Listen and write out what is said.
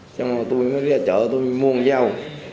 xong rồi tôi mới ra chợ tôi mua một dầu